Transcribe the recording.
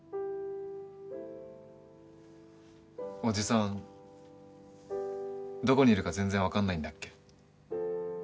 おじさんどこにいるか全然分かんないんだっけ？